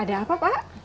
ada apa pak